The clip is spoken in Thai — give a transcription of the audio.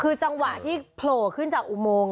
คือจังหวะที่โผล่ขึ้นจากอุโมง